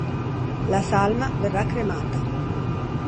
La salma verrà cremata"”.